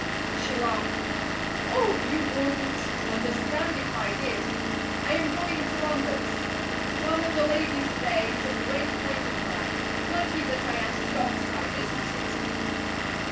She laughed. "Oh! you wouldn't understand if I did. I am going to Lambert's. One of the ladies there is a great friend of mine. Lucky that I am stock size, isn't it?"